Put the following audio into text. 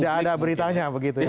tidak ada beritanya begitu ya